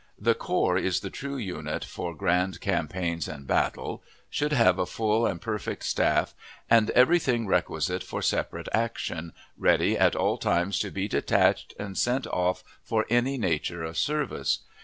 The corps is the true unit for grand campaigns and battle, should have a full and perfect staff, and every thing requisite for separate action, ready at all times to be detached and sent off for any nature of service.